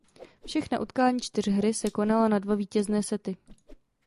Všechna utkání čtyřhry se konala na dva vítězné sety.